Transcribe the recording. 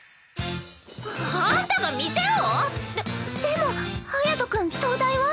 あんたが店を⁉ででも隼君東大は？